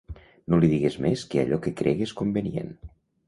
I no li digues més que allò que cregues convenient.